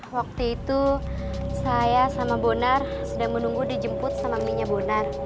waktu itu saya sama bonar sedang menunggu dijemput sama mie nya bonar